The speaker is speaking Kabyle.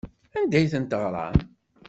Anda ay ten-teɣram?